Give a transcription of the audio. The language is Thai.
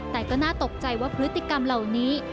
แต่ก็น่าตกใจว่าพฤติกรรมเหล่านี้